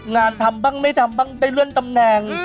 งานทำบ้างไม่ทำบ้างได้เลื่อนตำแหน่ง